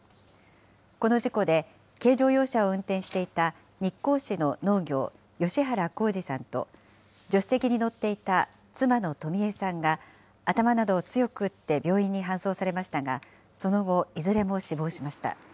この事故で、軽乗用車を運転していた日光市の農業、吉原弘樹さんと、助手席に乗っていた妻の登美江さんが、頭などを強く打って病院に搬送されましたが、その後、いずれも死亡しました。